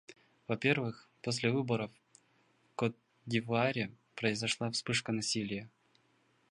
Во-первых, после выборов в Кот-д'Ивуаре произошла вспышка насилия.